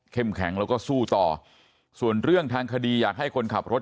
แข็งแล้วก็สู้ต่อส่วนเรื่องทางคดีอยากให้คนขับรถ